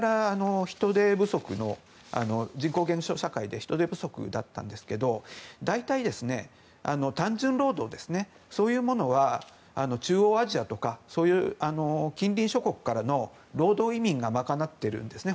ロシアは前から人手不足人口減少社会で人手不足だったんですけど大体、単純労働ですねそういうものは中央アジアとかそういう近隣諸国からの労働移民が賄っているんですね。